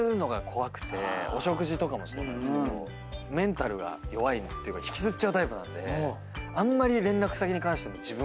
お食事とかもそうなんですけどメンタルが弱いっていうか引きずっちゃうタイプなんであんまり。